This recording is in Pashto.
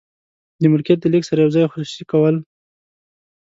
د ملکیت د لیږد سره یو ځای خصوصي کول.